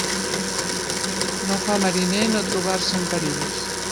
No fa mariner no trobar-se en perills.